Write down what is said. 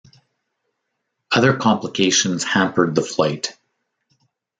Other complications hampered the flight.